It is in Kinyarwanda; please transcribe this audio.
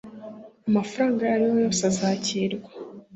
amafaranga ayo ari yo yose azakirwa